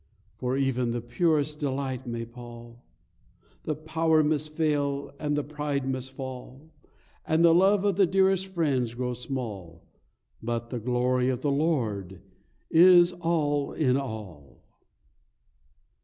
4 For even the purest delight may pall, The power must fail, and the pride must fall, And the love of the dearest friends grow small But the glory of the Lord is all in all.